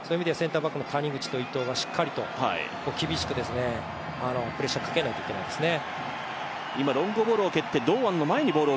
谷口と伊藤がしっかりと厳しく、プレッシャーをかけないといけないですね。